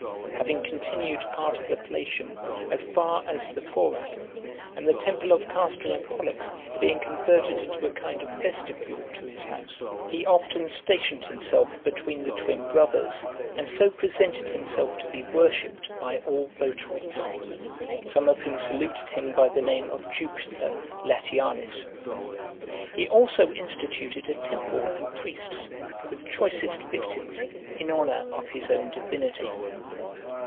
Having continued part of the Palatium as far as the Forum, and the temple of Castor and Pollux being converted into a kind of vestibule to his house, he often stationed himself between the twin brothers, and so presented himself to be worshipped by all votaries; some of whom saluted him by the name of Jupiter Latialis. He also instituted a temple and priests, with choicest victims, in honour of his own divinity.